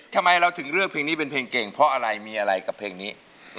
ทำไมเราถึงเลือกเพลงนี้เป็นเพลงเก่งเพราะอะไรมีอะไรกับเพลงนี้